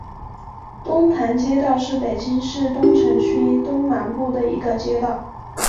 龙潭街道是北京市东城区东南部的一个街道。